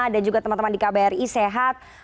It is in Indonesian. dan juga teman teman di kbri sehat